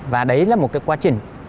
và đấy là một cái quá trình